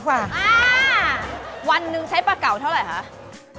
วันหนึ่งใช้ปลาเก่าเท่าไหร่คะ